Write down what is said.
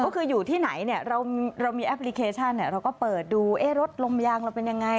ก็คืออยู่ที่ไหนเนี่ยเรามีแอปพลิเคชันเราก็เปิดดูรถลมยางเราเป็นยังไง